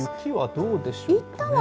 雪はどうでしょうか。